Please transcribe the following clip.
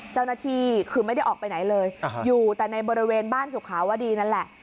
เจ้าหน้าที่คือไม่ได้ออกไปไหนเลยอยู่แต่ในบริเวณบ้านสุขาวดีนั่นแหละ